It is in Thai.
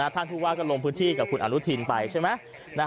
ท่านผู้ว่าก็ลงพื้นที่กับคุณอนุทินไปใช่ไหม